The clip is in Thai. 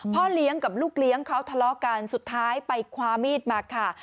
พ่อเลี้ยงกับลูกเลี้ยงเขาทะเลาะกันสุดท้ายไปคว้ามีดมาค่ะ